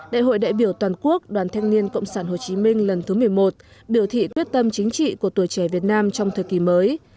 đại hội đại biểu toàn quốc đoàn thanh niên cộng sản hồ chí minh lần thứ một mươi một biểu thị quyết tâm chính trị của tuổi trẻ việt nam trong thời kỳ mới